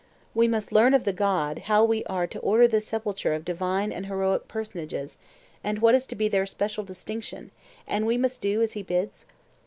We must learn of the god how we are to order the sepulture of divine and heroic personages, and what is to be their special distinction; and we must do as he bids?